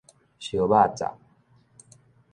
燒肉粽